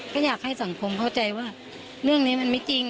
ก็อยากให้สังคมเข้าใจว่าเรื่องนี้มันไม่จริง